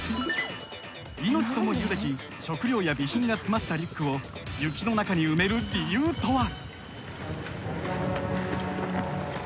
命ともいうべき食料や備品が詰まったリュックを雪の中に埋める理由とは？